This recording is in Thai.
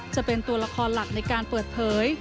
จะเป็นตัวละครหลักในการเปิดเผย